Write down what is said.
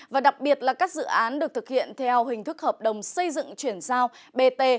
và đặc biệt là các dự án được thực hiện theo hình thức hợp đồng xây dựng chuyển giao bt